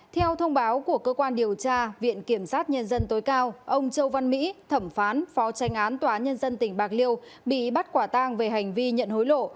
theo thông báo của cơ quan điều tra viện kiểm sát nhân dân tối cao ông châu văn mỹ thẩm phán phó tranh án tòa nhân dân tỉnh bạc liêu bị bắt quả tang về hành vi nhận hối lộ